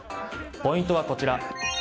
ポイントはこちら。